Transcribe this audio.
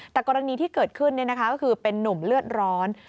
แต่กรณีที่เกิดขึ้นก็คือเป็นนุ่มเลือดร้อน